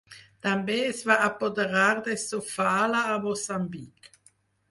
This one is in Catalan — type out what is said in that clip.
També es va apoderar de Sofala, a Moçambic.